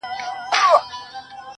که مو بېل کړمه بیا نه یمه دوستانو!